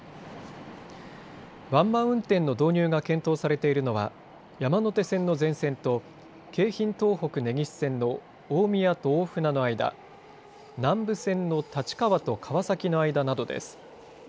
ワンマン運転の導入が検討されているのは山手線の全線と京浜東北・根岸線の大宮と大船の間、南武線の立川と川崎の間などです。